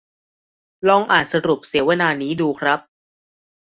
ลองอ่านสรุปเสวนานี้ดูครับ